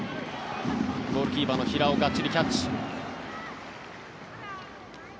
ゴールキーパーの平尾がっちりキャッチ。